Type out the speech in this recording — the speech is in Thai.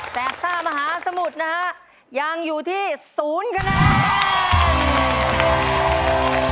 แต่ซ่ามหาสมุทรนะฮะยังอยู่ที่ศูนย์คะแนน